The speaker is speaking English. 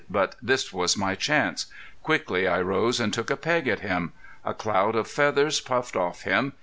But this was my chance. Quickly I rose and took a peg at him. A cloud of feathers puffed off him.